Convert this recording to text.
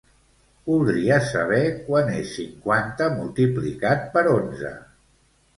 Voldria saber quant és cinquanta multiplicat per onze.